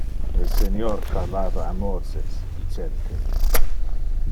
Le Senior parlava a Moses dicente: